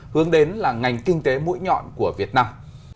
hướng đến là ngành kinh tế mũi nhọn của việt nam